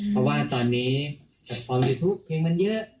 เพราะว่าตอนนี้แบบความอยู่ทุกเพลงมันเยอะ